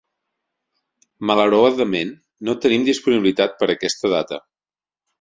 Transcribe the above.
Malauradament, no tenim disponibilitat per aquesta data.